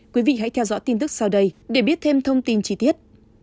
quý vị hãy theo dõi tin tức sau đây để biết thêm thông tin chi tiết